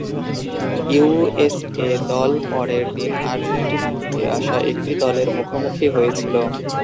USA দল পরের দিন আর্জেন্টিনা থেকে আসা একটি দলটির মুখোমুখি হয়েছিল।